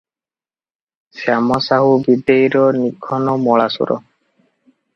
ଶ୍ୟାମ ସାହୁ ବିଦେଇର ନିଘନ ମଳାଶୁର ।